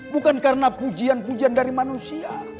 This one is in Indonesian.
bukan karena pujian pujian dari manusia